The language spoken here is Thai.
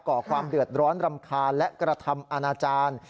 ่อความเดือดร้อนรำคาญและกระทำอาณาจารย์